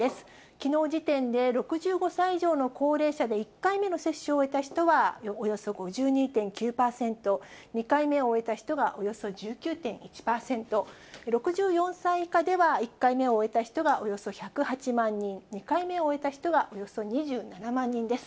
きのう時点で６５歳以上の高齢者で１回目の接種を終えた人はおよそ５２．９％、２回目を終えた人がおよそ１９．１％、６４歳以下では、１回目を終えた人はおよそ１０８万人、２回目を終えた人はおよそ２７万人です。